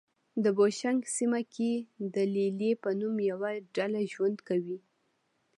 د بوشونګ سیمه کې د لې لې په نوم یوه ډله ژوند کوي.